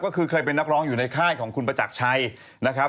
ก็คือเคยเป็นนักร้องอยู่ในค่ายของคุณประจักรชัยนะครับ